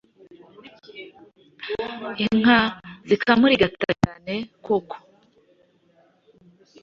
inka zikamurigata cyane koko